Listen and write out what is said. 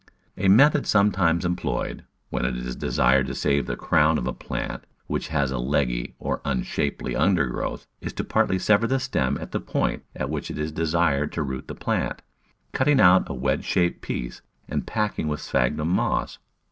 A method sometimes em ployed, when it is desired to save the crown of a plant which has a leggy or unshapely undergrowth, is to partly sever the stem at the point at which it is desired to root the plant, cutting out a wedge shaped piece and packing with sphagnum moss.